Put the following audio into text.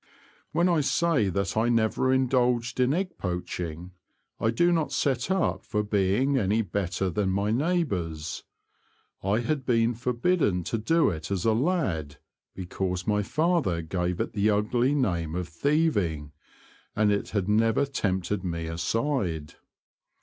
When I say that I never indulged in Qgg poaching I do not set up for being any better than my neighbours. I had been forbidden to do it as a lad because my father give it the ugly name of thieving, and it had never tempted me aside.